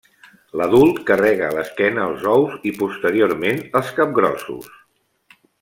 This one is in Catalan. L'adult carrega a l'esquena els ous i posteriorment els capgrossos.